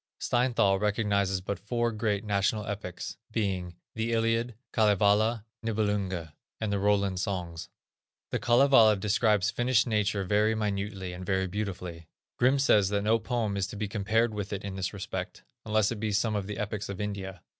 Steinthal recognizes but four great national epics, viz., the Iliad, Kalevala, Nibelunge and the Roland Songs. The Kalevala describes Finnish nature very minutely and very beautifully. Grimm says that no poem is to be compared with it in this respect, unless it be some of the epics of India.